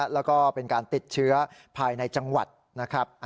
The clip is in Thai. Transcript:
แล้วก็เป็นการติดเชื้อภายในจังหวัดนะครับ